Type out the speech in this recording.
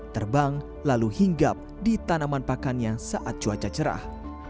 terbang lalu hinggap di tanaman pakannya saat cuaca cerah